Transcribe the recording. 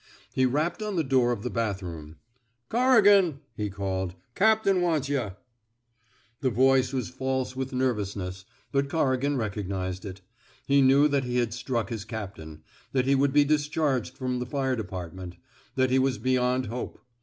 He rapped on the door of the bathroom. Corrigan/' he called. Captain wants yuh.*' The voice was false with nervousness, but Corrigan recognized it. He knew that he had struck his captain; that he would be dis charged from the fire department; that he was beyond hope.